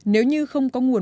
nếu như không có nguồn vốn